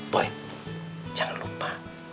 boy jangan lupa